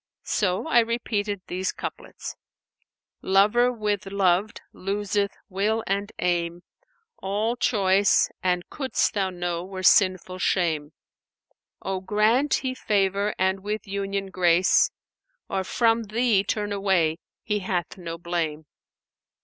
So I repeated these couplets, 'Lover with loved[FN#498] loseth will and aim! * All choice (an couldst thou know) were sinful shame. Or grant He favour and with union grace, * Or from thee turn away, He hath no blame.